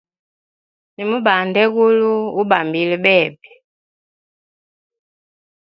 Nimubanda egulu, ubambila bebe.